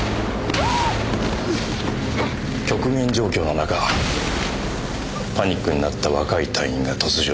極限状況の中パニックになった若い隊員が突如。